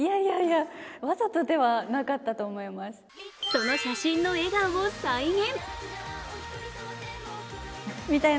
その写真の笑顔を再現。